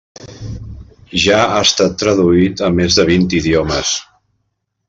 Ja ha estat traduït a més de vint idiomes.